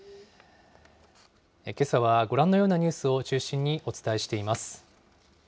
けさはご覧のようなニュースを中心にお伝えしています。